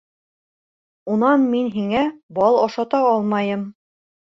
Унан мин һиңә бал ашата алмайым.